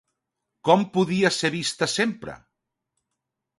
Com podia ser vista sempre?